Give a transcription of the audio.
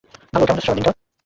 ভালো, কেমন যাচ্ছে সবার দিনকাল?